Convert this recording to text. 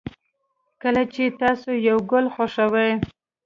کله چې تاسو یو گل خوښوئ